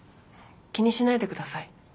気にしないで下さい。